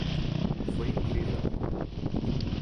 Foi incrível.